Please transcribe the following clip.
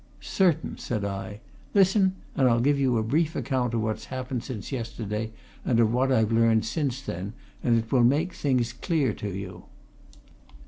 "Certain!" said I. "Listen, and I'll give you a brief account of what's happened since yesterday, and of what I've learned since then it will make things clear to you."